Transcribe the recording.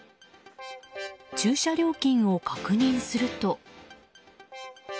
駐車料金を確認すると。